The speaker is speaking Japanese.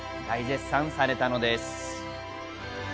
大絶賛されたのです。